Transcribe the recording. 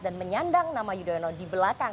dan menyandang nama yudhoyono di belakang